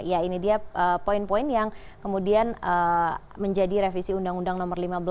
ya ini dia poin poin yang kemudian menjadi revisi undang undang nomor lima belas